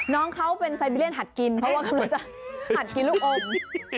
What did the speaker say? น้องเขาเป็นไซบีเรียนหัดกินเพราะว่ากำลังจะหัดชีลูกอม